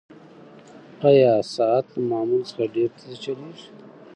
ایا ساعت له معمول څخه ډېر تېز چلیږي؟